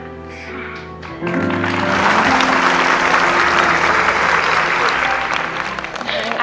ค่ะ